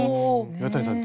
岩谷さん